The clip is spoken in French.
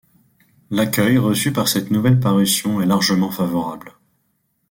L'accueil reçu par cette nouvelle parution est largement favorable.